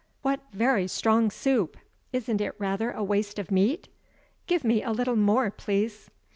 What very strong soup! Isn't it rather a waste of meat? Give me a little more, please."